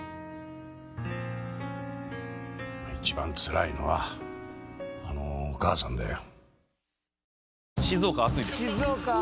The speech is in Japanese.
一番つらいのはあのお母さんだよ。